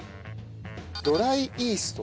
ドライイースト。